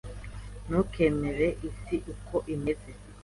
Ntukemere isi uko imeze.